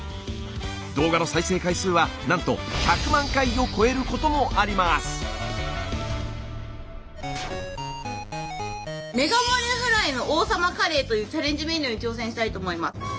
動画の再生回数はなんと１００万回を超えることもあります！というチャレンジメニューに挑戦したいと思います。